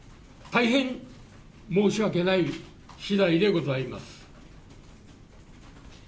大変申し訳ないしだいでございます。